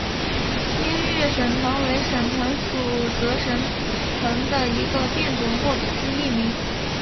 滇越省藤为省藤属泽生藤的一个变种或只是异名。